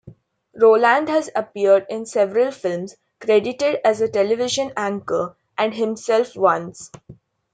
Roland has appeared in several films, credited as a television anchor and himself once.